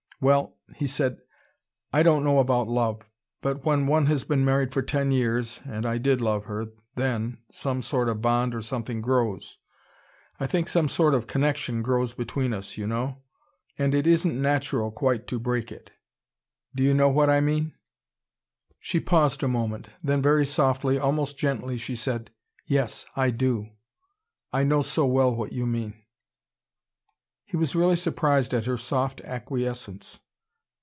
"Well," he said. "I don't know about love. But when one has been married for ten years and I did love her then some sort of bond or something grows. I think some sort of connection grows between us, you know. And it isn't natural, quite, to break it. Do you know what I mean?" She paused a moment. Then, very softly, almost gently, she said: "Yes, I do. I know so well what you mean." He was really surprised at her soft acquiescence.